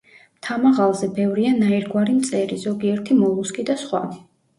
მთამაღალზე ბევრია ნაირგვარი მწერი, ზოგიერთი მოლუსკი და სხვა.